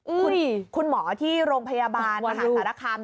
อุ๊ยคุณหมอที่โรงพยาบาลมหาศาสตร์ราคาร